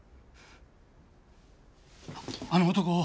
あの男